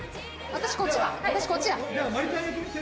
私こっちや！」